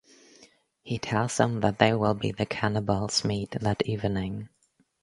He tells them that they will be the cannibals' meal that evening.